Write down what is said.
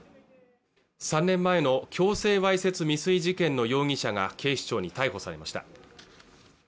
３年前の強制わいせつ未遂事件の容疑者が警視庁に逮捕されました